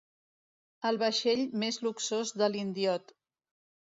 El vaixell més luxós de l'indiot.